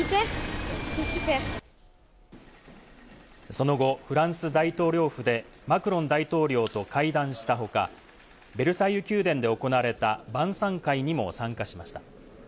その後、フランス大統領府でマクロン大統領と会談した他、ベルサイユ宮殿で行われた晩餐会にも参加しました。